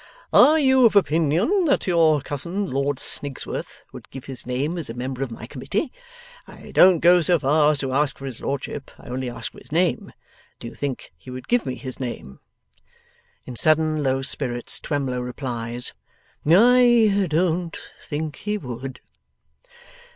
')' Are you of opinion that your cousin, Lord Snigsworth, would give his name as a Member of my Committee? I don't go so far as to ask for his lordship; I only ask for his name. Do you think he would give me his name?' In sudden low spirits, Twemlow replies, 'I don't think he would.